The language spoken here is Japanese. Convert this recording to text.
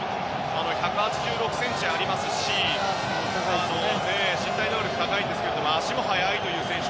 １８６ｃｍありますし身体能力高いですが足も速いという選手。